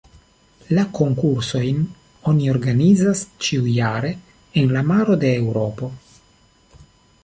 La konkursojn oni organizas ĉiujare en la maro de Eŭropo.